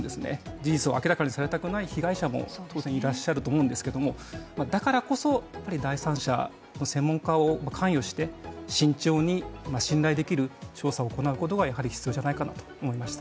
事実を明らかにされたくない被害者もいらっしゃると思いますけどだからこそ、やはり第三者、専門家が関与して慎重に信頼できる調査を行うことがやはり必要じゃないかなと思いました。